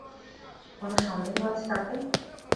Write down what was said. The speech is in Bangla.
কোনো সন্দেহ আছে তাতে?